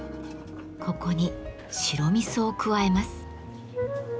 ここに白味噌を加えます。